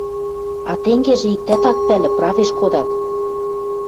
А тенгежӹ иктӓт ак пӓлӹ, правеш кодат.